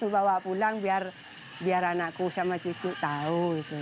bawa pulang biar anakku sama cucu tahu